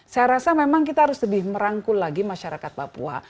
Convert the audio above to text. saya rasa memang kita harus lebih merangkul lagi masyarakat papua